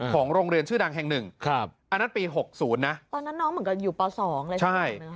ของโรงเรียนชื่อดังแห่งหนึ่งอันนั้นปี๖๐นะตอนนั้นน้องเหมือนกันอยู่ป๒เลยนะ